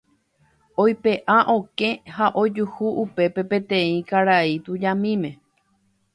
Oipe'a okẽ ha ojuhu upépe peteĩ karai tujamíme.